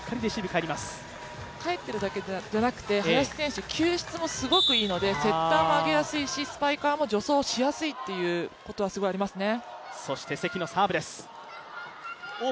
返ってるだけじゃなくて林選手、救出もすごくいいのでセッターも上げやすいしスパイカーも助走しやすいということがすごくありますね。